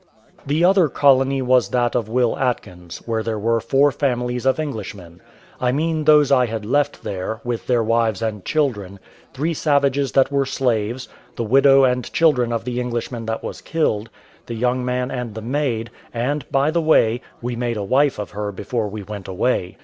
The other colony was that of Will Atkins, where there were four families of Englishmen, I mean those I had left there, with their wives and children; three savages that were slaves, the widow and children of the Englishman that was killed, the young man and the maid, and, by the way, we made a wife of her before we went away.